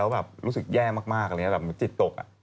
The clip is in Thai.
แล้วแบบรู้สึกแย่มากนะแบบจิตตกแล้ว